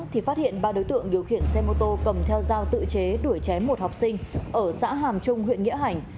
thì phát hiện ba đối tượng điều khiển xe mô tô cầm theo dao tự chế đuổi chém một học sinh ở xã hàm trung huyện nghĩa hành